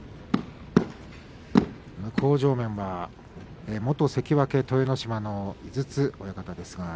向正面は元関脇豊ノ島の井筒親方です。